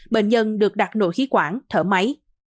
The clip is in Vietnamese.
bệnh nhân được đặt nội khí quản thở máy